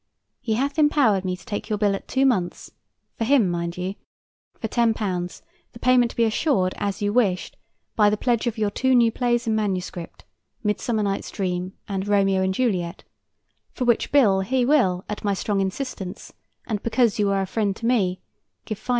He hath empowered me to take your bill at two months, for him, mind you, for £10, the payment to be assured, as you wished, by the pledge of your two new plays in manuscript, "Midsummer Night's Dream" and "Romeo and Juliet," for which bill he will at my strong instance, and because you are a friend to me, give £5.